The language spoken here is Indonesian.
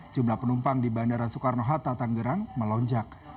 jumlah penumpang di bandara soekarno hatta tanggerang melonjak